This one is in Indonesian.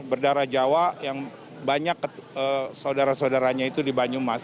berdarah jawa yang banyak saudara saudaranya itu di banyumas